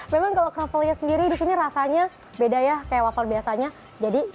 memang kalau kroffelnya sendiri di sini rasanya beda ya kayak waffle biasanya